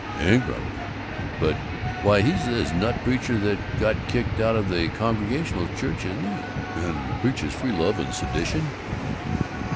"Ingram? But, why, he's this nut preacher that got kicked out of the Congregationalist Church, isn't he, and preaches free love and sedition?"